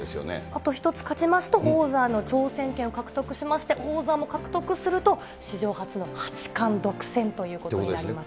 あと１つ勝ちますと、王座の挑戦権を獲得しまして、王座も獲得すると、史上初の八冠独占といということですね。